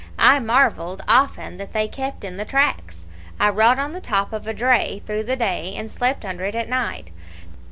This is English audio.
I marvelled often that they kept in the tracks. I rode on the top of a dray through the day, and slept under it at night.